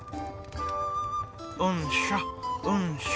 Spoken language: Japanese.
うんしょうんしょ。